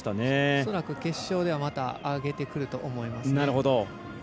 恐らく決勝ではまた上げてくると思いますけどね。